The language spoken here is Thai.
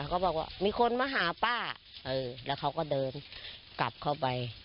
ก็บอกว่ามีคนมาหาป้าแล้วเขาก็เดินกลับเข้าไป